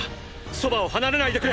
そばを離れないでくれ！！